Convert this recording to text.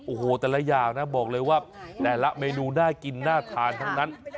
โอ้โหแต่ละอย่างนะบอกเลยว่าแต่ละเมนูน่ากินน่าทานทั้งนั้น